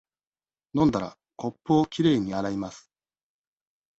飲んだら、コップをきれいに洗います。